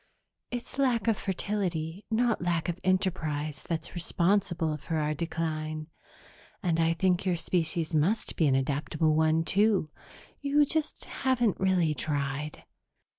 It's lack of fertility, not lack of enterprise, that's responsible for our decline. And I think your species must be an adaptable one, too; you just haven't really tried.